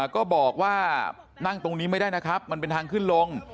ก็บอกว่านั่งตรงนี้ไม่ได้นะครับมันเป็นทางขึ้นลง